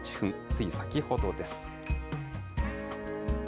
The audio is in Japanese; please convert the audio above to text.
つい先ほどです。